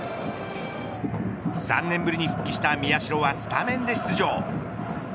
３年ぶりに復帰した宮代はスタメンで出場。